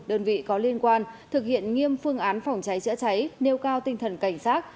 đơn vị có liên quan thực hiện nghiêm phương án phòng cháy chữa cháy nêu cao tinh thần cảnh sát